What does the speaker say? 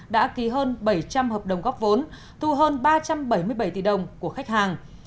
đã ký hơn bảy trăm linh hợp đồng góp vốn thu hơn ba trăm bảy mươi bảy tỷ đồng của khách hàng